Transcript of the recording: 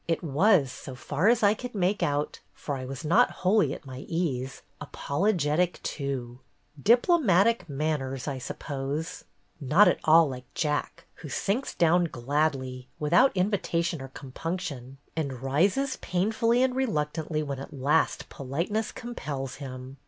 It was, so far as I could make out, — for I was not wholly at my ease, — apologetic, too. Diplomatic manners, I suppose ! Not at all like Jack, who sinks down gladly, without invitation or compunction, and rises painfully and reluctantly when at last politeness com pels him.